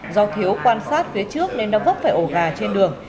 do thiếu quan sát phía trước nên nó vấp phải ổ gà trên đường